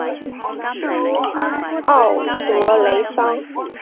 奥德雷桑。